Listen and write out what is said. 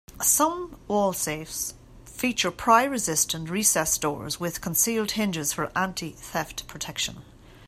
Some wall safes feature pry resistant recessed doors with concealed hinges for anti-theft protection.